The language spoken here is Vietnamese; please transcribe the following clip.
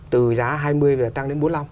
một trăm linh từ giá hai mươi tăng đến bốn mươi năm